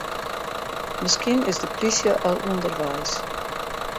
Miskien is de plysje al ûnderweis.